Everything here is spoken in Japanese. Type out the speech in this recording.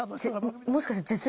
もしかして。